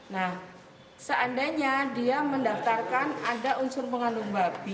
nah seandainya dia mendaftarkan ada unsur mengandung babi